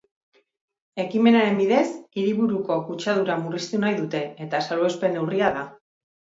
Ekimenaren bidez, hiriburuko kutsadura murriztu nahi dute, eta salbuespen neurria da.